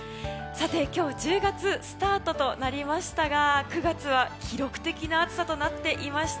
今日は１０月スタートとなりましたが９月は記録的な暑さとなっていました。